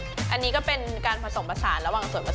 เอาล่ะเดินทางมาถึงในช่วงไฮไลท์ของตลอดกินในวันนี้แล้วนะครับ